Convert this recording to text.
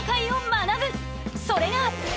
それが。